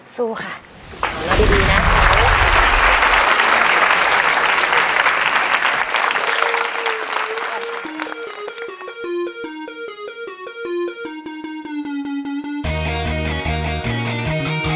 สู้ค่ะ